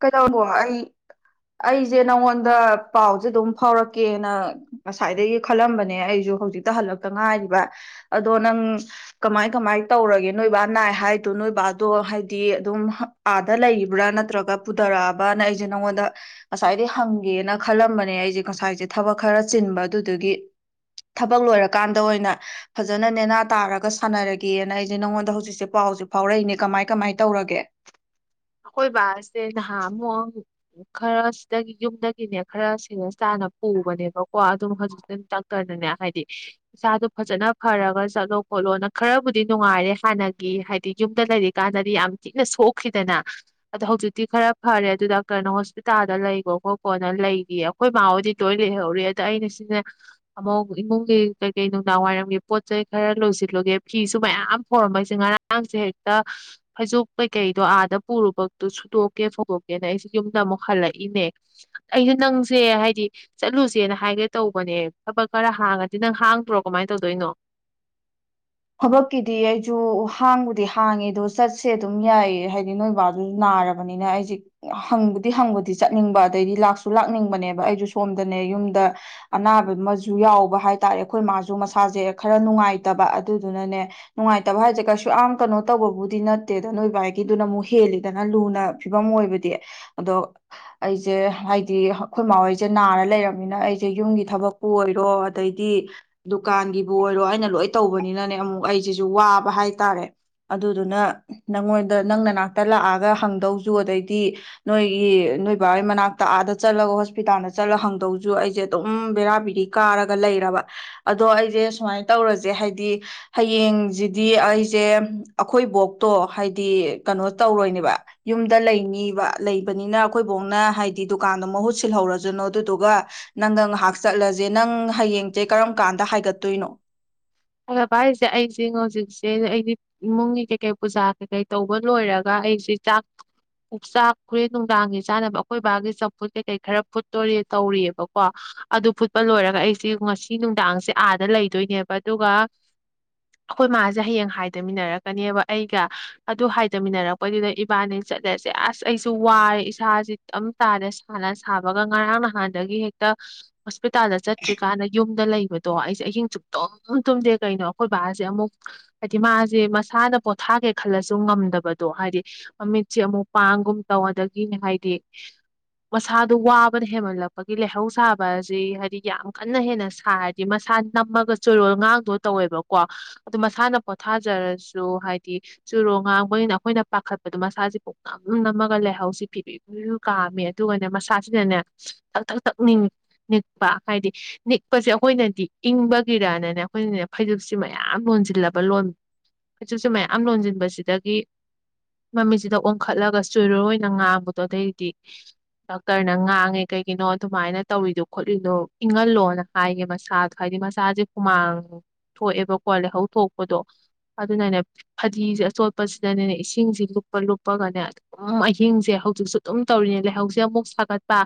ꯀꯩꯗꯧꯕꯣ ꯑꯩ ꯑꯩꯖꯦ ꯅꯪꯉꯣꯟꯗ ꯄꯥꯎꯁꯦ ꯑꯗꯨꯝ ꯐꯥꯎꯔꯛꯀꯦꯅ ꯉꯁꯥꯏꯗꯒꯤ ꯈꯜꯂꯝꯕꯅꯦ ꯑꯩꯁꯨ ꯍꯧꯖꯤꯛꯇ ꯍꯜꯂꯛꯇ ꯉꯥꯏꯔꯤꯕ ꯑꯗꯣ ꯅꯪ ꯀꯃꯥꯏ ꯀꯃꯥꯏ ꯇꯧꯔꯒꯦ ꯅꯣꯏꯕꯥ ꯅꯥꯏ ꯍꯥꯏꯗꯣ ꯅꯣꯏꯕꯥꯗꯣ ꯍꯥꯏꯗꯤ ꯑꯗꯨꯝ ꯍꯪ ꯑꯥꯗ ꯂꯩꯔꯤꯕ꯭ꯔꯥ ꯅꯠꯇ꯭ꯔꯒ ꯄꯨꯗꯔꯛꯑꯕꯅ ꯑꯩꯁꯦ ꯅꯪꯉꯣꯟꯗ ꯉꯁꯥꯏꯗꯩ ꯍꯪꯒꯦꯅ ꯈꯜꯂꯝꯕꯅꯦ ꯑꯩꯁꯦ ꯀꯁꯥꯏꯁꯦ ꯊꯕꯛ ꯈꯔ ꯆꯤꯟꯕ ꯑꯗꯨꯗꯨꯒꯤ ꯊꯕꯛ ꯂꯣꯏꯔꯀꯥꯟꯗ ꯑꯣꯏꯅ ꯐꯖꯅ ꯅꯦꯅꯥ ꯇꯥꯔꯒ ꯁꯥꯟꯅꯔꯒꯦꯅ ꯑꯩꯖꯦ ꯅꯪꯉꯣꯟꯗ ꯍꯧꯖꯤꯛꯁꯦ ꯄꯥꯎꯁꯦ ꯐꯥꯎꯔꯛꯏꯅꯦ ꯀꯃꯥꯏ ꯀꯃꯥꯏ ꯇꯧꯔꯒꯦ ꯑꯈꯣꯏ ꯕꯥꯁꯦ ꯅꯍꯥ ꯑꯃꯣ ꯈꯔꯁꯤꯗꯒꯤ ꯌꯨꯝꯗꯒꯤꯅꯦ ꯈꯔ ꯁꯦꯔꯦꯁ ꯇꯥꯅ ꯄꯨꯕꯅꯦꯕꯀꯣ ꯑꯗꯨꯝ ꯍꯧꯖꯤꯛꯇꯤ ꯗꯥꯛꯇꯔꯅꯅꯦ ꯍꯥꯏꯗꯤ ꯆꯥꯗꯣ ꯐꯖꯅ ꯐꯔꯒ ꯆꯠꯂꯣ ꯈꯣꯠꯂꯣꯅ ꯈꯔꯕꯨꯗꯤ ꯅꯨꯡꯉꯥꯏꯔꯦ ꯍꯥꯟꯅꯒꯤ ꯍꯥꯏꯗꯤ ꯌꯨꯝꯗ ꯂꯩꯔꯤꯀꯥꯟꯗꯗꯤ ꯌꯥꯝ ꯊꯤꯅ ꯁꯣꯛꯈꯤꯗꯅ ꯑꯗꯣ ꯍꯧꯖꯤꯛꯇꯤ ꯈꯔ ꯐꯔꯦ ꯑꯗꯨ ꯗꯥꯛꯇꯔꯅ ꯍꯣꯁꯄꯤꯇꯥꯜꯗ ꯂꯩꯒꯣ ꯀꯣꯈꯣꯅ ꯂꯩꯒꯤ ꯑꯩꯈꯣꯏ ꯃꯥ ꯍꯣꯏꯗꯤ ꯇꯣꯏ ꯂꯩꯍꯧꯔꯤ ꯑꯗ ꯑꯩꯅ ꯁꯤꯅꯦ ꯑꯃꯨꯛ ꯏꯃꯨꯡꯒꯤ ꯀꯩꯀꯩ ꯅꯨꯡꯗꯥꯡ ꯋꯥꯏꯔꯝꯒꯤ ꯄꯣꯠ ꯆꯩꯩ ꯈꯔ ꯂꯣꯏꯁꯤꯜꯂꯨꯒꯦ ꯐꯤꯁꯨ ꯃꯌꯥꯝ ꯐꯔꯝꯕꯩꯁꯦ ꯉꯔꯥꯡꯁꯦ ꯍꯦꯛꯇ ꯐꯩꯖꯨꯞ ꯀꯩꯀꯩꯗꯣ ꯑꯥꯗ ꯄꯨꯔꯨꯕꯛꯇꯨ ꯁꯨꯠꯇꯣꯛꯀꯦ ꯐꯧꯗꯣꯛꯀꯦꯅ ꯑꯩꯁꯤ ꯌꯨꯝꯗ ꯑꯃꯨꯛ ꯍꯜꯂꯛꯏꯅꯦ ꯑꯩꯁꯦ ꯅꯪꯁꯦ ꯍꯥꯏꯗꯤ ꯆꯠꯂꯨꯁꯦꯅ ꯍꯥꯏꯒꯦ ꯇꯧꯕꯅꯦ ꯊꯕꯛ ꯈꯔ ꯍꯥꯡꯉꯗꯤ ꯅꯪ ꯍꯥꯡꯗ꯭ꯔꯣ ꯀꯃꯥꯏꯟ ꯇꯧꯗꯣꯏꯅꯣ ꯊꯕꯛꯀꯤꯗꯤ ꯑꯩꯖꯨ ꯍꯥꯡꯕꯨꯗꯤ ꯍꯥꯡꯉꯦ ꯑꯗꯣ ꯆꯠꯁꯦ ꯑꯗꯨꯝ ꯌꯥꯏꯌꯦ ꯍꯥꯏꯗꯤ ꯅꯣꯏꯕꯥꯗꯨꯁꯨ ꯅꯥꯔꯕꯅꯤꯅ ꯑꯩꯁꯦ ꯍꯪꯕꯨꯗꯤ ꯍꯪꯕꯗꯤ ꯆꯠꯅꯤꯡꯕ ꯑꯗꯩꯗꯤ ꯂꯥꯛꯁꯨ ꯂꯥꯛꯅꯤꯡꯕꯅꯦꯕ ꯑꯩꯁꯨ ꯁꯣꯝꯗꯅꯦ ꯌꯨꯝꯗ ꯑꯅꯥꯕ ꯃꯁꯨ ꯌꯥꯎꯕ ꯍꯥꯏ ꯇꯔꯦ ꯑꯩꯈꯣꯏ ꯃꯥꯁꯨ ꯃꯁꯥꯁꯦ ꯈꯔ ꯅꯨꯡꯉꯥꯏꯇꯕ ꯑꯗꯨꯗꯨꯅꯅꯦ ꯅꯨꯡꯉꯥꯏꯇꯕ ꯍꯥꯏꯁꯦ ꯀꯩꯁꯨ ꯌꯥꯝ ꯀꯅꯣ ꯇꯧꯕꯕꯨꯗꯤ ꯅꯠꯇꯦꯗ ꯅꯣꯏ ꯕꯥꯏꯒꯤꯗꯨꯅ ꯑꯃꯨꯛ ꯍꯦꯜꯂꯤꯗꯅ ꯂꯨꯅ ꯐꯤꯕꯝ ꯑꯣꯏꯕꯗꯤ ꯑꯗꯣ ꯑꯩꯁꯦ ꯍꯥꯏꯗꯤ ꯑꯈꯣꯏ ꯃꯥ ꯍꯣꯏꯁꯦ ꯅꯥꯔ ꯂꯩꯔꯝꯅꯤꯅ ꯑꯩꯁꯦ ꯌꯨꯝꯒꯤ ꯊꯕꯛꯄꯨ ꯑꯣꯏꯔꯣ ꯑꯗꯩꯗꯤ ꯗꯨꯀꯥꯟꯒꯤꯕꯨ ꯑꯣꯏꯔꯣ ꯑꯩꯅ ꯂꯣꯏ ꯇꯧꯕ ꯅꯤꯅꯅꯦ ꯑꯃꯨ ꯑꯩꯁꯤꯁꯨ ꯋꯥꯕ ꯍꯥꯏꯇꯥꯔꯦ ꯑꯗꯨꯗꯨꯅ ꯅꯪꯉꯣꯟꯗ ꯅꯪ ꯅꯅꯥꯛꯇ ꯂꯥꯛꯑꯒ ꯍꯪꯗꯧꯁꯨ ꯑꯗꯩꯗꯤ ꯅꯣꯏꯒꯤ ꯅꯣꯏ ꯕꯥꯑꯣꯏ ꯃꯅꯥꯛꯇ ꯑꯥꯗ ꯆꯠꯂꯒ ꯍꯣꯁꯄꯤꯇꯥꯟꯗ ꯆꯠꯂꯒ ꯍꯪꯗꯖꯨ ꯑꯩꯖꯦ ꯑꯗꯨꯝ ꯕꯦꯔꯥꯕꯤꯔꯤ ꯀꯥꯔꯒ ꯂꯩꯔꯕ ꯑꯗꯣ ꯑꯩꯖꯦ ꯁꯨꯃꯥꯏꯅꯟ ꯇꯧꯔꯖꯦ ꯍꯥꯏ ꯗꯤ ꯍꯌꯦꯡꯖꯤꯗꯤ ꯑꯩꯖꯦ ꯑꯩꯈꯣꯏꯕꯣꯛꯇꯣ ꯍꯥꯏꯗꯤ ꯀꯅꯣ ꯇꯧꯔꯣꯏꯅꯦꯕ ꯌꯨꯝꯗ ꯂꯩꯅꯤꯕ ꯂꯩꯕꯅꯤꯅ ꯑꯩꯈꯣꯏꯕꯣꯛꯅ ꯍꯥꯏꯗꯤ ꯗꯨꯀꯥꯟꯗꯣ ꯃꯍꯨꯠ ꯁꯤꯜꯍꯧꯔꯖꯅꯣ ꯑꯗꯨꯗꯨꯒ ꯅꯪꯒ ꯉꯍꯥꯛ ꯆꯠꯂꯖꯦ ꯅꯪ ꯍꯌꯦꯡꯖꯦ ꯀꯔꯝ ꯀꯥꯟꯗ ꯍꯥꯏꯒꯠꯇꯣꯏꯅꯣ ꯕꯍꯄꯥ ꯑꯩꯁꯦ ꯑꯩꯖꯦ ꯍꯧꯖꯤꯛꯁꯦ ꯑꯩꯗꯤ ꯏꯃꯨꯡꯒꯤ ꯀꯩꯀꯩ ꯄꯨꯖꯥ ꯀꯩꯀꯩ ꯇꯧꯕ ꯂꯣꯏꯔꯒ ꯑꯩꯁꯤ ꯆꯥꯛ ꯆꯥꯛꯈ꯭ꯔꯤ ꯅꯨꯡꯗꯥꯡꯒꯤ ꯆꯥꯅꯕ ꯑꯩꯈꯣꯏ ꯕꯥꯒꯤ ꯆꯝꯐꯨꯠ ꯀꯩꯀꯩ ꯈꯔ ꯐꯨꯠꯇꯣꯔꯤ ꯇꯧꯔꯤꯑꯕꯀꯣ ꯑꯗꯨ ꯐꯨꯠꯄ ꯂꯣꯏꯔꯒ ꯑꯩꯁꯤ ꯉꯁꯤ ꯅꯨꯡꯗꯥꯡꯁꯦ ꯑꯥꯗ ꯂꯩꯗꯣꯏꯅꯦꯕ ꯑꯗꯨꯒ ꯑꯈꯣꯏ ꯃꯥꯖꯦ ꯍꯌꯦꯡ ꯍꯥꯏꯗꯃꯤꯟꯅꯔꯛꯀꯅꯦꯕ ꯑꯩꯒ ꯑꯗꯨ ꯍꯥꯏꯗꯃꯤꯟꯅꯔꯛꯄꯩꯗꯨꯗ ꯏꯕꯥꯅꯤ ꯆꯠꯂꯖꯦ ꯑꯁ ꯑꯩꯁꯨ ꯋꯥꯔꯦ ꯏꯁꯥꯖꯤ ꯇꯝ ꯇꯥꯔꯦ ꯁꯥꯟꯅ ꯁꯥꯕꯒ ꯉꯔꯥꯡ ꯅꯍꯥꯟꯗꯒꯤ ꯍꯦꯛꯇ ꯄꯤꯇꯥꯗ ꯆꯠꯇ꯭ꯔꯤꯀꯥꯟꯗ ꯌꯨꯝ ꯗ ꯂꯩꯕꯗꯣ ꯑꯩꯁꯦ ꯑꯍꯤꯡ ꯆꯨꯞꯇꯨꯝ ꯇꯨꯝ ꯇꯨꯝꯗꯦ ꯀꯩꯅꯣ ꯑꯩꯈꯣꯏ ꯕꯥꯁꯦ ꯑꯃꯨꯛ ꯍꯥꯏꯗꯤ ꯃꯥꯁꯦ ꯃꯁꯥꯅ ꯄꯣꯊꯥꯒꯦ ꯈꯜꯂꯁꯨ ꯉꯝꯗꯕꯗꯣ ꯍꯥꯏꯗꯤ ꯃꯃꯤꯠꯁꯦ ꯑꯃꯨꯛ ꯄꯥꯡꯒꯨꯝ ꯇꯧ ꯑꯗꯒꯤ ꯍꯥꯏꯗꯤ ꯃꯁꯥꯗꯣ ꯋꯥꯕꯅ ꯍꯦꯃꯜꯂꯛꯄꯒꯤ ꯂꯩꯍꯧ ꯁꯥꯕ ꯑꯁꯤ ꯍꯥꯏꯗꯤ ꯌꯥꯝ ꯀꯟꯅ ꯍꯦꯟꯅ ꯁꯥꯔꯗꯤ ꯃꯁꯥ ꯅꯝꯃꯒ ꯆꯨꯔꯣ ꯉꯥꯡꯗꯣ ꯇꯧꯋꯦꯕꯀꯣ ꯑꯗꯨꯗꯣ ꯃꯁꯥꯅ ꯄꯣꯊꯥꯖꯔꯁꯨ ꯍꯥꯏꯗꯤ ꯆꯨꯔꯣ ꯉꯥꯡꯕꯅ ꯑꯩꯈꯣꯏꯅ ꯄꯥꯈꯠꯄꯗꯣ ꯃꯁꯥꯁꯦ ꯄꯣꯛꯅꯝ ꯅꯝꯃꯒ ꯂꯩꯍꯧꯁꯤ ꯐꯤꯕꯤ ꯐ ꯀꯥꯝꯃꯦ ꯑꯗꯨꯒꯅꯦ ꯃꯁꯥꯁꯤꯅꯅꯦ ꯊꯛ ꯊꯛ ꯊꯛ ꯅꯤꯛꯄ ꯍꯥꯏꯗꯤ ꯅꯤꯛꯄꯁꯦ ꯑꯩꯈꯣꯏꯅꯗꯤ ꯏꯪꯕ ꯒꯤꯔꯅꯅꯦ ꯑꯩꯈꯣꯏꯅꯅꯦ ꯐꯩꯖꯨꯞꯁꯤꯦ ꯃꯌꯥꯝ ꯂꯣꯟꯁꯤꯜꯂꯕ ꯂꯣꯟ ꯐꯩꯖꯨꯞꯁꯤꯦ ꯃꯌꯥꯝ ꯂꯣꯟꯁꯤꯟꯕꯁꯤꯗꯒꯤ ꯃꯃꯤꯠꯁꯤꯗ ꯑꯣꯟꯈꯠꯂꯒ ꯆꯨꯔꯔꯅ ꯉꯥꯡꯕꯗꯣ ꯑꯗꯩꯗꯤ ꯗꯥꯛꯇꯔꯅ ꯉꯥꯡꯉꯦ ꯀꯩꯒꯤꯅꯣ ꯑꯗꯨꯃꯥꯏꯅ ꯇꯧꯔꯤꯗꯣ ꯈꯣꯠꯂꯤꯗꯣ ꯏꯪꯍꯜꯂꯣꯅ ꯍꯥꯏꯒꯦ ꯃꯁꯥꯗꯣ ꯍꯥꯏꯗꯤ ꯃ ꯆꯥꯁꯦ ꯈꯨꯨꯃꯥꯡ ꯊꯣꯛꯑꯦꯕꯀꯣ ꯂꯩꯍꯧ ꯊꯣꯛꯄꯗꯣ ꯑꯗꯨꯅꯅꯦ ꯐꯗꯤꯁꯦ ꯑꯆꯣꯠꯄꯁꯤꯗꯅꯦꯅꯦ ꯏꯁꯤꯡꯁꯦ ꯂꯨꯞꯄ ꯂꯨꯞꯄꯒꯅꯦ ꯑꯗꯨꯝ ꯑꯍꯤꯡꯁꯦ ꯍꯧꯖꯤꯛꯁꯨ ꯑꯗꯨꯝ ꯇꯧꯔꯤꯅꯦ ꯂꯩꯍꯧꯁꯦ ꯑꯃꯨꯛ ꯁꯥꯒꯠꯄ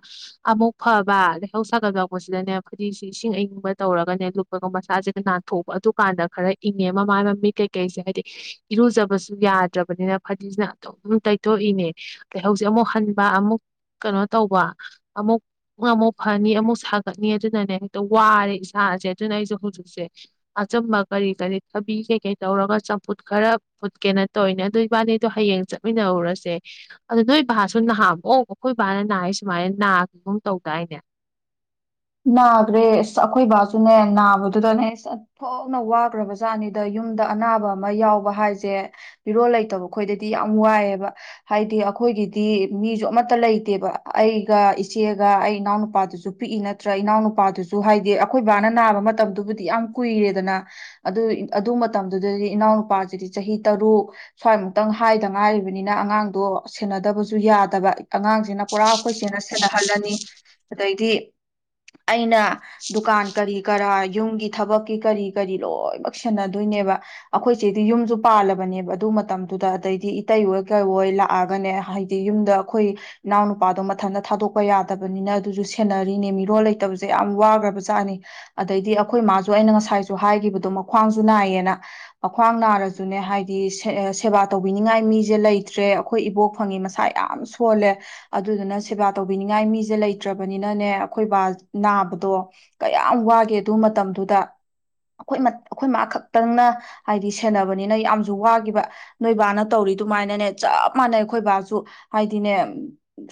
ꯑꯃꯨꯛ ꯐꯕ ꯂꯩꯍꯧ ꯁꯥꯒꯠ ꯌꯥꯎꯄꯁꯤꯗꯅꯦ ꯐꯗꯤꯁꯦ ꯏꯁꯤꯡ ꯑꯌꯤꯡꯕ ꯇꯧꯔꯒꯅꯦꯨꯞ ꯃꯁꯁꯤꯗ ꯅꯥꯟꯊꯣꯛꯄ ꯑꯗꯨꯀꯥꯟꯗ ꯈꯔ ꯏꯪꯉꯦ ꯃꯃꯥꯏ ꯃꯃꯤ ꯀꯩꯀꯩꯁꯦ ꯍꯥꯏꯗꯤ ꯏꯔꯨꯖꯕꯁꯨ ꯌꯥꯗ꯭ꯔꯕꯅꯤꯅ ꯐꯗꯤꯁꯤꯅ ꯑꯗꯨꯝꯝ ꯇꯩꯊꯣꯛꯏꯅꯦ ꯀ ꯍꯧꯁꯦ ꯑꯃꯨꯛ ꯍꯟꯕ ꯑꯃꯨꯛ ꯀꯩꯅꯣ ꯇꯧꯕ ꯑꯃꯨꯛ ꯑꯃꯨꯛ ꯐꯅꯤ ꯑꯃꯨꯛ ꯁꯥꯒꯠꯅꯤ ꯑꯗꯨꯅꯅꯦ ꯍꯦꯛꯇ ꯋꯥꯔꯦ ꯏꯁꯥꯁꯦ ꯑꯗꯨꯅ ꯑꯩꯁꯦ ꯍꯧꯖꯤꯛꯁꯦ ꯑꯆꯝꯕ ꯀꯔꯤ ꯀꯔꯤ ꯊꯕꯤ ꯀꯩꯀꯩ ꯇꯧꯔꯒ ꯆꯝꯐꯨꯠ ꯈꯔ ꯐꯨꯠꯀꯦꯅ ꯇꯧꯔꯤꯅꯦ ꯑꯗꯨ ꯏꯕꯥꯅꯤꯗꯣ ꯍꯌꯦꯡ ꯆꯠꯃꯤꯟꯅꯔꯔꯁꯦ ꯑꯗꯣ ꯅꯣꯏ ꯕꯥꯁꯨ ꯅꯍꯝꯑꯣ ꯑꯩꯈꯣꯏ ꯕꯥꯅ ꯍꯏ ꯁꯨꯃꯥꯏꯅ ꯅꯥꯈꯤꯕꯒꯨꯝ ꯇꯧꯗꯥꯏꯅꯦ ꯅꯥꯈ꯭ꯔꯦ ꯑꯁ ꯑꯩꯈꯣꯏ ꯕꯥꯁꯨꯅꯦ ꯅꯥꯕꯗꯨꯗꯅꯦ ꯆ ꯊꯣꯛꯅ ꯋꯥꯈ꯭ꯔꯕ ꯖꯥꯠꯅꯤꯗ ꯌꯨꯝꯗ ꯑꯅꯥꯕ ꯑꯃ ꯌꯥꯎꯕ ꯍꯥꯏꯁꯦ ꯃꯤꯔꯣꯜ ꯂꯩꯇꯕ ꯈꯣꯏꯗꯗꯤ ꯌꯥꯝ ꯋꯥꯏꯑꯦꯕ ꯍꯥꯏꯗꯤ ꯑꯩꯈꯣꯏꯒꯤꯗꯤ ꯃꯤꯁꯨ ꯑꯃꯠꯇ ꯂꯩꯇꯦꯕ ꯑꯩꯒ ꯏꯆꯦꯒ ꯑꯩ ꯏꯅꯥꯎꯅꯨꯄꯥꯗꯨꯁꯨ ꯄꯤꯛꯏ ꯅ ꯅꯠꯇ꯭ꯔ ꯏꯅꯥꯎ ꯅꯨꯄꯥꯗꯨꯁꯨ ꯍꯥꯏꯗꯤ ꯑꯩꯈꯣꯏ ꯕꯥꯅ ꯅꯥꯕ ꯃꯇꯝꯗꯨꯕꯨꯗꯤ ꯌꯥꯝ ꯀꯨꯏꯔꯦꯗꯅ ꯑꯗꯨ ꯑꯗꯨ ꯃꯇꯝꯗꯨꯗꯗꯤ ꯏꯅꯥꯎ ꯅꯨꯨꯄꯥꯁꯤꯗꯤ ꯆꯍꯤ ꯇꯔꯨꯛ ꯁ꯭ꯋꯥꯏꯃꯨꯛꯇꯪ ꯍꯥꯏꯗ ꯉꯥꯏꯔꯤꯕꯅꯤꯅ ꯑꯉꯥꯡꯗꯣ ꯁꯦꯟꯅꯗꯕꯁꯨ ꯌꯥꯗꯕ ꯑꯉꯥꯡꯁꯤꯅ ꯄꯨꯔꯥ ꯑꯩꯈꯣꯏꯁꯦꯅ ꯁꯦꯟꯅꯍꯜꯂꯅꯤ ꯑꯗꯩꯗꯤ ꯑꯩꯅ ꯗꯨꯀꯥꯟ ꯀꯔꯤ ꯀꯔꯥ ꯌꯨꯝꯒꯤ ꯊꯕꯛꯀꯤ ꯀꯔꯤ ꯀꯔꯤ ꯂꯣꯏꯃꯛ ꯁꯦꯟꯅꯗꯣꯏꯅꯦꯕ ꯑꯩꯈꯣꯏꯁꯦꯗꯤ ꯌꯨꯝꯁꯨ ꯄꯥꯜꯂꯕꯅꯦꯕ ꯑꯗꯨ ꯃꯇꯝꯗꯨꯗ ꯑꯗꯩꯗꯤ ꯏꯇꯩ ꯑꯣꯏ ꯀꯩꯣꯏ ꯂꯥꯛꯑꯒꯅꯦ ꯍꯥꯏꯗꯤ ꯌꯨꯝꯗ ꯑꯩꯈꯣꯏ ꯏꯅꯥꯎ ꯅꯨꯨꯄꯥꯗꯣ ꯃꯊꯟꯇ ꯊꯥꯗꯣꯛꯄ ꯌꯥꯗꯕꯅꯤꯅ ꯑꯗꯨꯁꯨ ꯁꯦꯟꯅꯔꯤꯅꯦ ꯂꯣꯟ ꯂꯩꯇꯕꯁꯦ ꯌꯥꯝ ꯋꯥꯈ꯭ꯔꯕꯖꯥꯠꯅꯤ ꯑꯗꯩꯗꯤ ꯑꯩꯈꯣꯏ ꯏ ꯃꯥꯁꯨ ꯑꯩꯅ ꯉꯁꯥꯏꯁꯨ ꯍꯥꯏꯈꯤꯕꯗꯣ ꯃꯈ꯭ꯋꯥꯡꯁꯨ ꯅꯥꯏꯌꯦꯅ ꯃꯈ꯭ꯋꯥꯡ ꯅꯥꯔꯁꯨꯅꯦ ꯍꯥꯏꯗꯤ ꯁꯦꯕꯥ ꯇꯧꯕꯤꯅꯤꯡꯉꯥꯏ ꯃꯤꯁꯦ ꯂꯩꯇ꯭ꯔꯦ ꯑꯩꯈꯣꯏ ꯏꯕꯣꯛ ꯐꯪꯉꯤ ꯃꯁꯥ ꯌꯥꯝ ꯁꯣꯜꯂꯦ ꯑꯗꯨꯗꯨꯅ ꯁꯦꯕꯥ ꯇꯧꯕꯤꯅꯤꯡꯉꯥꯏ ꯃꯤꯁꯦ ꯂꯩꯇ꯭ꯔꯕꯅꯤꯅꯅꯦ ꯑꯩꯈꯣꯏ ꯕꯥ ꯅꯥꯕꯗꯣ ꯀꯌꯥꯝ ꯋꯥꯒꯦ ꯑꯗꯨ ꯃꯇꯝꯗꯨꯗ ꯑꯩꯈꯣꯏ ꯑꯩꯈꯣꯏ ꯃꯥ ꯈꯛꯇꯪꯅ ꯍꯥꯏꯗꯤ ꯁꯦꯟꯅꯕꯅꯤꯅ ꯌꯥꯝꯁꯨ ꯋꯥꯈꯤꯕ ꯅꯣꯏꯕꯥꯅ ꯇꯧꯔꯤ ꯑꯗꯨꯃꯥꯏꯅꯅꯦ ꯆꯞ ꯃꯥꯟꯅꯩ ꯑꯩꯈꯣꯏ ꯕꯥꯁꯨ ꯍꯥꯏꯗꯤꯅꯦ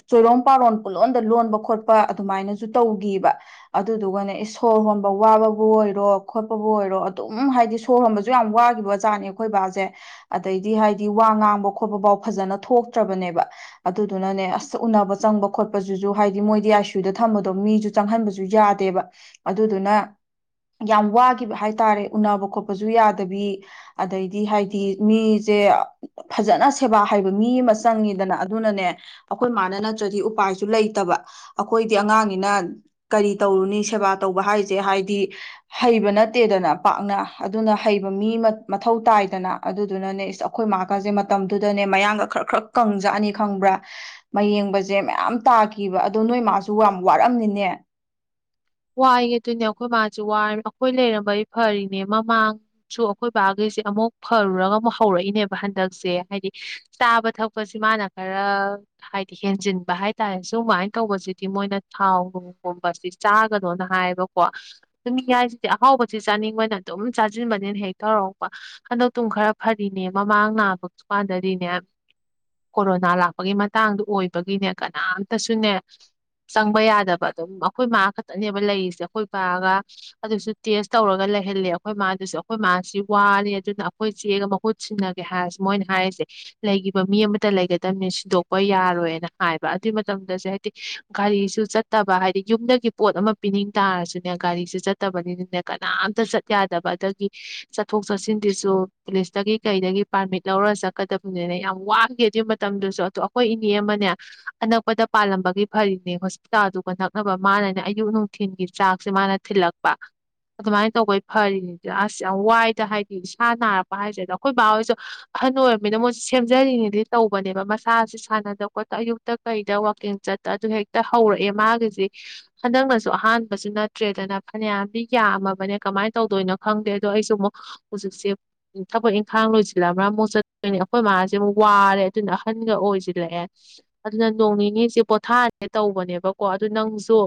ꯆꯣꯏꯔꯣꯝ ꯄꯥꯔꯣꯟ ꯄꯨꯠꯂꯂꯣꯟꯗ ꯂꯣꯟꯕ ꯈꯣꯠꯄ ꯑꯗꯨꯃꯥꯏꯅ ꯇꯧꯈꯤꯕ ꯑꯗꯨꯗꯨꯒꯅꯦ ꯁꯣꯔ ꯍꯣꯟꯕ ꯋꯥꯕꯕꯨ ꯑꯣꯏꯔꯣ ꯈꯣꯠꯄꯕꯨ ꯑꯣꯏꯔꯣ ꯑꯗꯨꯝ ꯍꯥꯏꯗꯤ ꯁꯣꯔ ꯍꯣꯟꯕꯁꯨ ꯌꯥꯝ ꯋꯥꯈꯤꯕ ꯑꯣꯖꯥꯅꯦ ꯑꯩꯈꯣꯏ ꯕꯥꯁꯦ ꯑꯗꯩꯗꯤ ꯍꯥꯏꯗꯤ ꯋꯥ ꯉꯥꯡꯕ ꯈꯣꯠꯄ ꯐꯥꯎ ꯐꯖꯅ ꯊꯣꯛꯇ꯭ꯔꯕꯅꯦꯕ ꯑꯗꯨꯗꯨꯅꯅꯦ ꯑꯁ ꯎꯅꯕ ꯆꯪꯕ ꯈꯣꯠꯄꯁꯤꯁꯨ ꯍꯥꯏꯗꯤ ꯃꯣꯏꯗꯤ ꯑꯥꯏꯁꯨꯨꯗ ꯊꯝꯕꯗꯣ ꯃꯤꯁꯨ ꯆꯪꯍꯟꯕꯁꯨ ꯌꯥꯗꯦꯕ ꯑꯗꯨꯗꯨꯅ ꯌꯥꯝ ꯋꯥꯈꯤꯕ ꯍꯥꯏꯇꯥꯔꯦ ꯎꯅꯕ ꯈꯣꯠꯄꯁꯨ ꯌꯥꯗꯕꯤ ꯑꯗꯩꯗꯤ ꯍꯥꯏꯗꯤ ꯃꯤꯁꯦ ꯐꯖꯅ ꯁꯦꯕꯥ ꯍꯩꯕ ꯃꯤ ꯑꯃ ꯆꯪꯉꯤꯗꯅ ꯑꯗꯨꯅꯅꯦ ꯑꯩꯈꯣꯏ ꯃꯥꯅ ꯅꯠꯇ꯭ꯔꯗꯤ ꯎꯄꯥꯏꯁꯨ ꯂꯩꯇꯕ ꯑꯩꯈꯣꯏ ꯤ ꯑꯉꯥꯡꯅꯤꯅ ꯀꯔꯤ ꯇꯧꯔꯨꯅꯤ ꯁꯦꯕꯥ ꯇꯧꯕ ꯍꯥꯏꯁꯦ ꯍꯥꯏꯗꯤ ꯍꯩꯕ ꯅꯠꯇꯦꯗꯅ ꯄꯥꯛꯅ ꯑꯗꯨꯅ ꯍꯩꯕ ꯃꯤ ꯃꯊꯧ ꯇꯥꯏꯗꯅ ꯑꯗꯨꯗꯨꯅꯅꯦ ꯑꯩꯈꯣꯏ ꯃꯥꯒꯁꯦ ꯃꯇꯝꯗꯨꯗꯅꯦ ꯃꯌꯥꯡꯒ ꯈꯔ ꯈꯔ ꯀꯪꯖꯛꯑꯅꯤ ꯈꯪꯕ꯭ꯔꯥ ꯃꯌꯦꯡꯕꯁꯦ ꯃꯌꯥꯝ ꯇꯥꯈꯤꯕ ꯑꯗꯣ ꯅꯣꯏ ꯃꯥꯁꯨ ꯁꯨ ꯌꯥꯝ ꯋꯥꯔꯝꯃꯤꯅꯦ ꯋꯥꯏꯒ ꯑꯗꯨꯣꯏꯅꯦ ꯑꯩꯈꯣꯏ ꯃꯥꯁꯦ ꯑꯩꯈꯣꯏ ꯂꯩꯔꯝꯕꯩ ꯐꯔꯤꯅꯦ ꯃꯃꯥꯡꯁꯨ ꯑꯩꯈꯣꯏ ꯕꯥꯈꯩꯁꯦ ꯑꯃꯨꯛ ꯐꯔꯨꯔꯒ ꯑꯃꯨꯛ ꯍꯧꯔꯛꯏꯅꯦꯕ ꯍꯟꯗꯛꯁꯦ ꯍꯥꯏꯗꯤ ꯆꯥꯕ ꯊꯛꯄꯁꯤ ꯃꯥꯅ ꯈꯔ ꯍꯥꯏꯗꯤ ꯍꯦꯟꯖꯤꯟꯕ ꯍꯥꯏ ꯇꯔꯦ ꯁꯨꯃꯥꯏꯅ ꯇꯧꯕꯁꯤꯗꯤ ꯃꯣꯏꯅ ꯊꯥꯎ ꯅꯨꯡꯒꯨꯝꯕꯁꯤ ꯀꯅꯣꯅ ꯍꯥꯏꯌꯦꯕꯀꯣ ꯑꯗꯨ ꯃꯤ ꯍꯥꯏꯁꯤꯗꯤ ꯑꯍꯥꯎꯕꯁꯤ ꯆꯥꯅꯤꯡꯕꯅ ꯑꯗꯨꯝ ꯆꯥꯁꯤꯟꯕꯅꯤꯅ ꯍꯦꯛ ꯇꯧꯔꯛꯄ ꯍꯟꯗꯛꯇꯨꯡ ꯈꯔ ꯐꯔꯤꯅꯦ ꯃꯃꯥꯡ ꯅꯥꯕ ꯀꯥꯟꯗꯗꯤꯅꯦ ꯀꯣꯔꯣꯅꯥ ꯂꯥꯛꯄꯒꯤ ꯃꯇꯥꯡꯗ ꯑꯣꯏꯕꯒꯤꯅꯦ ꯀꯅꯥꯝꯇꯁꯨꯅꯦ ꯆꯪꯕ ꯌꯥꯗꯕ ꯑꯗꯨꯝ ꯑꯩꯈꯣꯏ ꯃꯥ ꯈ ꯈꯛꯇꯅꯦꯕ ꯂꯩꯔꯤꯁꯦ ꯑꯩꯈꯣꯏ ꯄꯥꯑꯒ ꯑꯗꯨꯁꯨ ꯇꯦꯁ ꯇꯧꯔꯒ ꯂꯩꯍꯜꯂꯦ ꯑꯩꯈꯣꯏ ꯃꯥꯗꯨꯁꯨ ꯑꯩꯈꯣꯏ ꯃꯥꯁꯤ ꯋꯥꯅꯤ ꯑꯗꯨꯅ ꯑꯩꯈꯣꯏ ꯆꯦꯒ ꯃꯍꯨꯠ ꯁꯤꯟꯅꯒꯦ ꯍꯥꯏꯔꯁꯨ ꯃꯣꯏꯅ ꯍꯥꯏꯔꯤꯁꯦ ꯂꯩꯈꯤꯕ ꯃꯤ ꯑꯃꯇ ꯂꯩꯒꯗꯝꯕꯅꯤ ꯁꯤꯗꯣꯛꯄ ꯌꯥꯔꯣꯏꯅ ꯍꯥꯏꯕ ꯑꯗꯨꯏ ꯃꯇꯝꯗꯁꯨ ꯍꯥꯏꯗꯤ ꯒꯥꯔꯤꯁꯨ ꯆꯠꯇꯕ ꯍꯥꯏꯗꯤ ꯌꯨꯝꯗꯒꯤ ꯄꯣꯠ ꯑꯃ ꯄꯤꯅꯤꯡ ꯇꯥꯔꯁꯨꯅꯦ ꯒꯥꯔꯤꯁꯦ ꯆꯠꯇꯕꯅꯤꯅꯅꯦ ꯀꯅꯥꯝꯇ ꯆꯠ ꯌꯥꯗꯕ ꯑꯗꯒꯤ ꯆꯠꯊꯣꯛ ꯆꯠꯁꯤꯟꯁꯤꯁꯨ ꯄꯨꯂꯤꯁꯇꯒꯤ ꯀꯩꯗꯒꯤ ꯄꯥꯔꯃꯤꯠ ꯂꯧꯔ ꯆꯠꯀꯗꯕꯅꯤꯅꯦ ꯌꯥꯝ ꯋꯥꯡꯗꯦ ꯑꯗꯨꯒꯤ ꯃꯇꯝꯗꯨꯁꯨ ꯑꯗꯣ ꯑꯩꯈꯣꯏ ꯏꯅꯦ ꯑꯃꯅꯦ ꯑꯅꯛꯄꯗ ꯄꯥꯜꯂꯝꯕꯒꯤ ꯐꯔꯤꯅꯦ ꯍꯣꯁꯄꯤꯇꯥꯜꯗꯨꯒ ꯅꯛꯅꯕ ꯃꯥꯅꯅꯦ ꯑꯌꯨꯛ ꯅꯨꯡꯊꯤꯜꯒꯤ ꯆꯥꯛꯁꯦ ꯃꯥꯅ ꯊꯤꯜꯂꯛꯄ ꯑꯗꯨꯃꯥꯏꯅ ꯇꯧꯕꯩ ꯐꯔꯤꯅꯤꯗ ꯑꯁ ꯌꯥꯝ ꯋꯥꯏꯗ ꯍꯥꯏꯗꯤ ꯁꯥ ꯅꯥꯔꯛꯄ ꯍꯥꯏꯁꯦ ꯑꯗꯣ ꯑꯩꯈꯣꯏ ꯕꯥꯍꯣꯏꯁꯨ ꯑꯍꯟ ꯑꯣꯏꯔꯕꯃꯤꯅ ꯃꯣꯏꯁꯤꯦ ꯁꯦꯝꯖꯔꯤꯉꯩꯗꯤ ꯇꯧꯕꯅꯦꯕ ꯃꯁꯁꯤꯦ ꯁꯥꯟꯅꯗꯕ ꯈꯣꯠꯇ ꯑꯌꯨꯛꯇ ꯀꯩꯗ ꯋꯥꯋꯥꯛꯀꯤꯡ ꯆꯠꯇ ꯑꯗꯨ ꯍꯦꯛꯇ ꯍꯧꯔꯛꯑꯦ ꯃꯥꯒꯤꯁꯤ ꯍꯟꯗꯛꯅꯁꯨ ꯑꯍꯥꯟꯕꯁꯨ ꯅꯠꯇ꯭ꯔꯦꯗꯅ ꯐꯅꯌꯥꯝꯗꯤ ꯌꯥꯝꯃꯕꯅꯦ ꯀꯃꯥꯏꯅ ꯇꯧꯗꯣꯏꯅꯣ ꯈꯪꯗꯦ ꯑꯗꯣ ꯑꯩꯁꯨ ꯑꯃꯨꯛ ꯍꯧꯖꯤꯛꯁꯦ ꯊꯕꯛ ꯏꯪꯈꯥꯡ ꯂꯣꯏꯁꯤꯜꯂꯕ꯭ꯔꯥ ꯑꯃꯨꯛ ꯆꯠꯇꯣꯏꯅꯦ ꯑꯩꯈꯣꯏ ꯃꯥꯁꯦ ꯑꯃꯨꯛ ꯋꯥꯔꯦ ꯑꯗꯨꯅ ꯑꯍꯟꯒ ꯑꯣꯏꯁꯤꯜꯂꯛꯑꯦ ꯑꯗꯨꯅ ꯅꯣꯡ ꯅꯤꯅꯤꯁꯦ ꯄꯣꯊꯥꯔꯦ ꯇꯧꯕꯅꯦꯕꯀꯣ ꯑꯗꯨ ꯅꯪꯁꯨ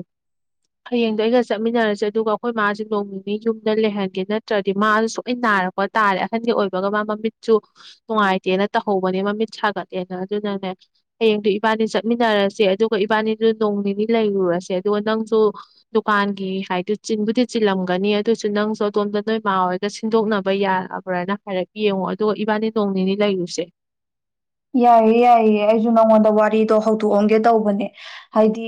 ꯍꯌꯦꯡꯗꯣ ꯑꯩꯒ ꯆꯠꯃꯤꯟꯅꯔꯁꯦ ꯑꯗꯨꯒ ꯑꯩꯈꯣꯏ ꯃꯥꯁꯦ ꯅꯣꯡ ꯅꯤꯅꯤ ꯌꯨꯝꯗ ꯂꯩꯍꯟꯒꯦ ꯅꯠꯇ꯭ꯔꯗꯤ ꯃꯥꯁꯨ ꯁꯨꯅ ꯅꯥꯔꯛꯄ ꯇꯥꯔꯦ ꯑꯍꯟꯒꯤ ꯑꯣꯏꯕꯒ ꯃꯥ ꯃꯃꯤꯠꯁꯨ ꯅꯨꯡꯉꯥꯏꯇꯦꯅ ꯇꯧꯍꯧꯕꯅꯦ ꯃꯃꯤꯠ ꯁꯥꯒꯠꯂꯦꯅ ꯑꯗꯨꯅꯅꯦ ꯍꯌꯦꯡꯗꯣ ꯏꯕꯥꯅꯤ ꯆꯠꯃꯤꯟꯅꯔꯁꯦ ꯑꯗꯨꯒ ꯏꯕꯥꯅꯤꯗꯨ ꯅꯣꯡ ꯅꯤꯅꯤ ꯂꯩꯔꯨꯔꯁꯦ ꯑꯗꯨꯒ ꯅꯪꯁꯨ ꯗꯨꯀꯥꯟꯒꯤ ꯍꯥꯏꯗꯤ ꯆꯤꯟꯕꯨꯗꯤ ꯆꯤꯜꯂꯝꯒꯅꯤ ꯑꯗꯨꯁꯨ ꯅꯪꯁꯨ ꯑꯗꯣꯝꯗ ꯅꯣꯏ ꯃꯥꯎꯔꯒ ꯁꯤꯟꯗꯣꯛꯅꯕ ꯌꯥꯔꯕ꯭ꯔꯅ ꯍꯥꯏꯔꯞ ꯌꯦꯡꯉꯣ ꯑꯗꯨꯒ ꯏꯕꯥꯅꯤ ꯅꯣꯡ ꯅꯤꯅꯤ ꯂꯩꯔꯨꯁꯦ ꯌꯥꯏꯌꯦ ꯌꯥꯏꯌꯦ ꯑꯩꯁꯨ ꯅ ꯋꯥꯣꯟꯗ ꯋꯥꯔꯤ ꯇꯣ ꯍꯧꯗꯣꯛꯑꯝꯒꯦ ꯇꯧꯕꯅꯦ ꯍꯥꯏꯗꯤ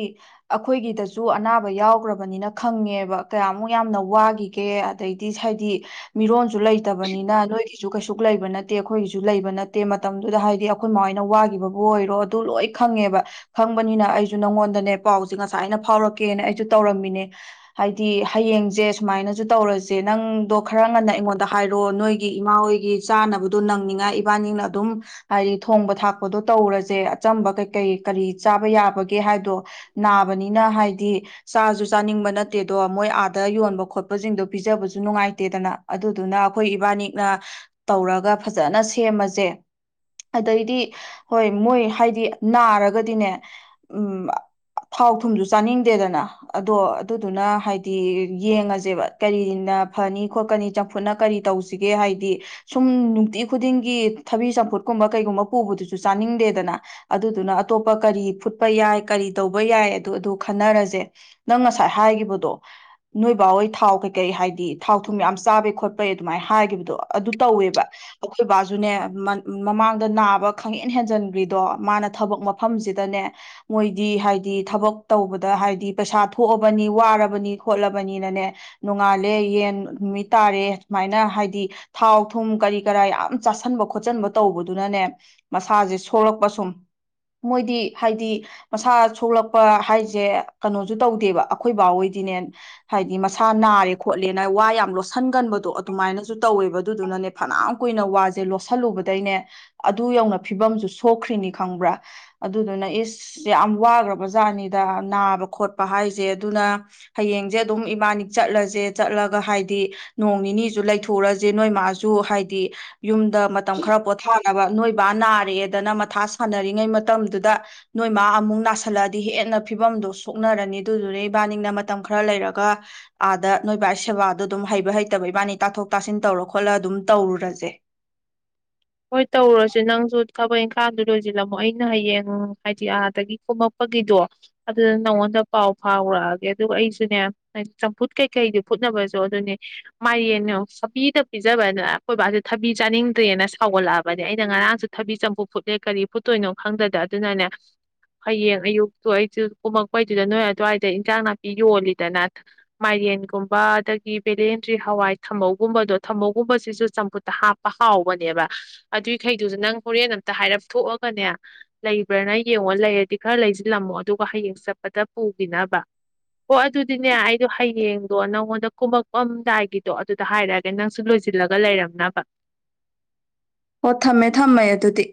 ꯑꯩꯈꯣꯏꯒꯤꯗꯁꯨ ꯑꯅꯥꯕ ꯌꯥꯎꯈ꯭ꯔꯕꯅꯤꯅ ꯈꯪꯉꯦꯕ ꯀꯌꯥꯃꯨꯛ ꯌꯥꯝꯅ ꯋꯥꯈꯤꯒꯦ ꯑꯗꯩꯗꯤ ꯍꯥꯏꯗꯤ ꯃꯤꯔꯣꯟ ꯂꯩꯇꯕꯅꯤꯅ ꯅꯣꯏ ꯁꯨ ꯀꯩꯁꯨ ꯂꯩꯕ ꯅꯠꯇꯦ ꯑꯩꯈꯣꯏꯒꯤꯁꯨ ꯂꯩꯕ ꯅꯠꯇꯦ ꯃꯇꯝꯗꯨꯗ ꯍꯥꯏ ꯗꯤ ꯑꯩꯈꯣꯏ ꯃꯥꯣꯏꯅ ꯋꯥꯒꯤꯈꯤꯕꯕꯨ ꯑꯣꯏꯔꯣ ꯑꯗꯨ ꯂꯣꯏ ꯈꯪꯉꯦꯕ ꯈꯪꯕꯅꯤꯅ ꯑꯩꯁꯨ ꯅꯪꯉꯣꯟꯗꯅꯦ ꯄꯥꯎꯁꯦ ꯉꯁꯥꯏꯅ ꯐꯥꯎꯔꯛꯀꯦꯅ ꯑꯩꯁꯨ ꯇꯧꯔꯝꯃꯤꯅꯦ ꯍꯥꯏꯗꯤ ꯍꯌꯦꯡꯁꯦ ꯁꯨꯃꯥꯏꯅꯁꯨ ꯇꯧꯔꯁꯦ ꯅꯪꯗꯣ ꯈꯔ ꯉꯟꯅ ꯑꯩꯉꯣꯟꯗ ꯍꯥꯏꯔꯣꯑꯣ ꯅꯣꯏꯒꯤ ꯏꯃꯥ ꯍꯣꯏꯒꯤ ꯆꯥꯅꯕꯗꯣ ꯅꯪꯅꯤꯡꯉꯥꯏ ꯏꯕꯥꯅꯤꯡꯅ ꯑꯗꯨꯝ ꯍꯥꯏꯗꯤ ꯊꯣꯡꯕ ꯊꯥꯛꯄꯗꯣ ꯇꯧꯔꯁꯦ ꯑꯆꯝꯕ ꯀꯩꯀꯩ ꯀꯔꯤ ꯆꯥꯕ ꯌꯥꯕꯒꯦ ꯍꯥꯏꯕꯗꯣ ꯅꯥꯕꯅꯤꯅ ꯍꯥꯏꯗꯤ ꯆꯥꯁꯨ ꯆꯥꯅꯤꯡꯕ ꯅꯠꯇꯦꯗꯣ ꯃꯣꯏ ꯑꯥꯗ ꯌꯣꯟꯕ ꯈꯣꯠꯄꯁꯤꯡꯗꯣ ꯄꯤꯖꯕꯁꯨ ꯅꯨꯡꯉꯥꯏꯇꯦꯗꯅ ꯑꯗꯨꯗꯨꯅ ꯑꯩꯈꯣꯏ ꯏꯕꯥꯅꯤꯅ ꯇꯧꯔꯒ ꯐꯖꯅ ꯁꯦꯝꯃꯁꯦ ꯑꯗꯩꯗꯤ ꯍꯣꯏ ꯃꯣꯏ ꯍꯥꯏꯗꯤ ꯅꯥꯔꯒꯗꯤꯅꯦ ꯊꯥꯎ ꯊꯨꯝꯁꯨ ꯆꯥꯅꯤꯡꯗꯦꯗꯅ ꯑꯗꯣ ꯑꯗꯨꯗꯨꯅ ꯍꯥꯏꯗꯤ ꯌꯦꯡꯉꯁꯦꯕ ꯀꯔꯤꯅ ꯐꯅꯤ ꯈꯣꯠꯀꯅꯤ ꯆꯝꯐꯨꯠꯅ ꯀꯔꯤ ꯇꯧꯁꯤꯒꯦ ꯍꯥꯏꯗꯤ ꯁꯨꯝ ꯅꯨꯡꯇꯤ ꯈꯨꯗꯤꯡꯒꯤ ꯊꯕꯤ ꯆꯝꯐꯨꯠ ꯀꯨꯝꯕ ꯀꯩꯒꯨꯝꯕ ꯄꯨꯕꯗꯨꯁꯨ ꯆꯥꯅꯤꯡꯗꯦꯗꯅ ꯑꯗꯨꯗꯨꯅ ꯑꯇꯣꯞꯄ ꯀꯔꯤ ꯐꯨꯠꯄ ꯌꯥꯏ ꯀꯔꯤ ꯇꯧꯕ ꯌꯥꯏ ꯑꯗꯨ ꯑꯗꯨ ꯈꯟꯅꯔꯁꯦ ꯅꯪ ꯉꯁꯥꯏ ꯍꯥꯏꯒꯤꯈꯤꯕꯗꯣ ꯅꯣꯏꯕꯥꯍꯣꯏ ꯊꯥꯎ ꯀꯩꯀꯩ ꯍꯥꯏꯗꯤ ꯊꯥꯎ ꯊꯨꯝ ꯌꯥꯝ ꯆꯥꯕꯩ ꯈꯣꯠꯄꯩ ꯑꯗꯨꯃꯥꯏꯅ ꯍꯥꯏꯈꯤꯕꯗꯣ ꯑꯗꯨ ꯇꯧꯋꯦꯕ ꯑꯩꯈꯣꯏ ꯕꯥꯁꯨꯅꯦ ꯃꯃꯥꯡꯗ ꯅꯥꯕ ꯈꯪꯍꯦꯟ ꯍꯦꯟꯖꯟꯈ꯭ꯔꯤꯗꯣ ꯃꯥꯅ ꯊꯕꯛ ꯃꯐꯝꯁꯤꯗꯅꯦ ꯃꯣꯏꯗꯤ ꯍꯥꯏꯗꯤ ꯊꯕꯛ ꯇꯧꯕꯗ ꯍꯥꯏꯗꯤ ꯄꯩꯁꯥ ꯊꯣꯛꯑꯕꯅꯤ ꯋꯥꯔꯕꯅꯤ ꯈꯣꯠꯂꯕꯅꯤꯅꯅꯦ ꯅꯣꯡꯉꯥꯜꯂꯦ ꯌꯦꯟ ꯅꯨꯃꯤꯠ ꯇꯥꯔꯦ ꯁꯨꯃꯥꯏꯅ ꯍꯥꯏꯗꯤ ꯊꯥꯎ ꯊꯨꯝ ꯀꯔꯤ ꯀꯔꯥ ꯌꯥꯝ ꯆꯥꯁꯟꯕ ꯈꯣꯠꯆꯟꯕ ꯇꯧꯕꯗꯨꯅꯅꯦ ꯃꯁꯥꯁꯦ ꯁꯣꯛꯂꯛꯄ ꯁꯨꯝ ꯃꯣꯏꯗꯤ ꯍꯥꯏꯗꯤ ꯃꯁꯥ ꯁꯣꯛꯂꯛꯄ ꯍꯥꯏꯁꯦ ꯀꯩꯅꯣꯁꯨ ꯇꯧꯗꯦꯕ ꯑꯩꯈꯣꯏꯕꯥꯍꯣꯏꯗꯤꯅꯦ ꯍꯥꯏꯗꯤ ꯃꯁꯥ ꯅꯥꯔꯦ ꯈꯣꯠꯂꯦꯅ ꯋꯥ ꯌꯥꯝ ꯂꯣꯠꯁꯤꯟꯒꯟꯕꯗꯣ ꯑꯗꯨꯃꯥꯏꯅꯁꯨ ꯇꯧꯋꯦꯕ ꯑꯗꯨꯗꯨꯅꯅꯦ ꯐꯅꯌꯥꯝ ꯀꯨꯏꯅ ꯋꯥꯁꯦ ꯂꯣꯠꯁꯤꯜꯂꯨꯕꯗ ꯑꯗꯩꯅꯦ ꯑꯗꯨ ꯌꯧꯅ ꯐꯤꯕꯝꯁꯨ ꯁꯣꯛꯈ꯭ꯔꯤꯅꯤ ꯈꯪꯕ꯭ꯔꯥ ꯑꯗꯨꯗꯨꯅ ꯏꯁ ꯌꯥꯝ ꯋꯥꯈ꯭ꯔꯕ ꯖꯥꯠꯅꯤꯗ ꯅꯥꯕ ꯈꯣꯠꯄ ꯍꯥꯏꯁꯦ ꯑꯗꯨꯅ ꯍꯌꯦꯡꯁꯦ ꯑꯗꯨꯝ ꯏꯕꯥꯅꯤ ꯆꯠꯂꯁꯦ ꯆꯠꯂꯒ ꯍꯥꯏꯗꯤ ꯅꯣꯡ ꯅꯤꯅꯤꯁꯨ ꯂꯩꯊꯣꯛꯑꯁꯦ ꯅꯣꯏ ꯃꯥꯁꯨ ꯍꯥꯏꯗꯤ ꯌꯨꯝꯗ ꯇ ꯈꯔ ꯄꯊ ꯕ ꯅꯣꯏꯕꯥ ꯅꯥꯔꯦꯗꯅ ꯃꯊꯥ ꯁꯥꯟꯅꯔꯤꯉꯩ ꯃꯇꯝꯗꯨꯗ ꯅꯣꯏ ꯃꯥ ꯑꯃꯨꯛ ꯅꯥꯁꯤꯜꯂꯛꯑꯗꯤ ꯍꯦꯟꯅ ꯐꯤꯕꯝꯗꯣ ꯁꯣꯛꯅꯔꯅꯤ ꯑꯗꯨꯗꯨꯅ ꯏꯕꯥꯅꯤꯅ ꯃꯇꯝ ꯈꯔ ꯂꯩꯔꯒ ꯑꯥꯗ ꯅꯣꯏꯕꯥ ꯁꯦꯕꯥꯗꯣ ꯑꯗꯨꯝ ꯍꯩꯕ ꯍꯩꯇꯕ ꯏꯕꯥꯅꯤ ꯇꯥꯊꯣꯛ ꯇꯥꯁꯤꯟ ꯇꯧꯔ ꯈꯣꯠꯂ ꯑꯗꯨꯝ ꯇꯧꯔꯨꯔꯁꯦ ꯍꯣꯏ ꯇꯧꯔꯁ ꯅꯪꯁꯨ ꯊꯕꯛ ꯏꯪꯈꯥꯡꯗ ꯂꯣꯏꯁꯤꯜꯂꯝꯃꯣ ꯑꯩꯅ ꯍꯌꯦꯡ ꯍꯥꯏꯗꯤ ꯑꯥꯗꯒꯤ ꯀꯣꯝꯃꯛꯄꯒꯤꯗꯣ ꯑꯗꯨꯗ ꯅꯪꯉꯣꯟꯗ ꯄꯥꯎ ꯐꯥꯎꯔꯛꯑꯒꯦ ꯑꯗꯨꯒ ꯑꯩꯁꯨꯅꯦ ꯆꯝꯐꯨꯠ ꯀꯩꯀꯩꯗꯤ ꯐꯨꯠꯅꯕꯁꯨ ꯑꯗꯨꯅꯦ ꯃꯥꯏꯌꯦꯅꯦ ꯁꯥꯕꯤꯗ ꯄꯤꯖꯕꯅ ꯑꯩꯈꯣꯏ ꯕꯥꯁꯦ ꯊꯕꯤ ꯆꯥꯅꯤꯡꯗ꯭ꯔꯦꯅ ꯍꯥꯎꯒꯠꯂꯛꯑꯕꯅꯦ ꯑꯩꯅ ꯉꯔꯥꯡꯁꯨ ꯊꯕꯤ ꯆꯝꯐꯨꯠ ꯐꯨꯠꯂꯦ ꯀꯔꯤ ꯐꯨꯠꯇꯣꯏꯅꯣ ꯈꯪꯗꯗ ꯑꯗꯨꯅꯅꯦ ꯍꯌꯦꯡ ꯑꯌꯨꯛꯇꯨ ꯑꯩꯁꯨ ꯀꯨꯝꯃꯛꯄꯩꯗꯨꯗ ꯅꯣꯏ ꯑꯗꯨꯋꯥꯏꯗ ꯏꯟꯖꯥꯡ ꯅꯥꯄꯤ ꯌꯣꯜꯂꯤꯗꯅ ꯃꯥꯏꯔꯦꯟꯒꯨꯝꯕ ꯑꯗꯒꯤ ꯕꯦꯂꯦꯟꯗ꯭ꯔꯤ ꯍꯋꯥꯏ ꯊꯃꯧꯒꯨꯝꯕꯗꯣ ꯊꯃꯧꯒꯨꯝꯕꯁꯤꯁꯨ ꯆꯝꯐꯨꯠꯇ ꯍꯥꯞꯄ ꯍꯥꯎꯕꯅꯦꯕ ꯑꯗꯨꯏꯈꯩꯗꯨꯁꯨ ꯅꯪ ꯍꯣꯔꯦꯟ ꯑꯝꯇ ꯍꯥꯏꯔꯞ ꯊꯣꯛꯑꯒꯅꯦ ꯂꯩꯕ꯭ꯔꯅ ꯌꯦꯡꯉꯣ ꯂꯩꯔꯗꯤ ꯈꯔ ꯂꯩꯁꯤꯜꯂꯝꯃꯣ ꯑꯗꯨꯒ ꯍꯌꯦꯡ ꯆꯠꯄꯗ ꯄꯨꯈꯤꯅꯕ ꯍ ꯑꯗꯨꯗꯤꯅꯦ ꯑꯩꯗꯣ ꯍꯌꯦꯡꯗꯣ ꯅꯪꯉꯣꯟꯗ ꯀꯨꯝꯃꯛꯄꯑꯝꯗꯥꯏꯒꯤꯗꯣ ꯑꯗꯨꯗ ꯍꯥꯏꯔꯛꯑꯒ ꯅꯪꯁꯨ ꯂꯣꯏꯁꯤꯜꯂꯒ ꯂꯩꯔꯝꯅꯕ ꯑꯣ ꯊꯝꯃꯦ ꯊꯝꯃꯦ ꯑꯗꯨꯗꯤ